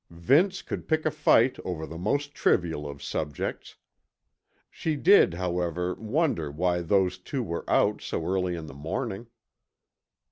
Vince could pick a fight over the most trivial of subjects. She did, however, wonder why those two were out so early in the morning.